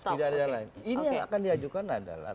ini yang akan diajukan adalah